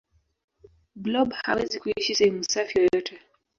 blob hawezi kuishi sehemu safi yoyote